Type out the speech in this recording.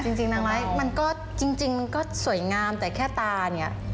จริงนางร้ายมันก็จริงมันก็สวยงามแต่แค่ตาเนี่ย